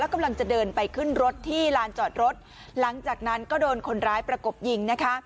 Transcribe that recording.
กำลังจะเดินไปขึ้นรถที่ลานจอดรถหลังจากนั้นก็โดนคนร้ายประกบยิงนะคะ